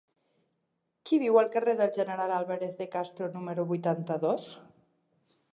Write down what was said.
Qui viu al carrer del General Álvarez de Castro número vuitanta-dos?